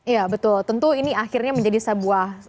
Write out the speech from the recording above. iya betul tentu ini akhirnya menjadi sebuah